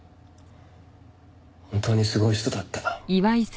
本当にすごい人だった。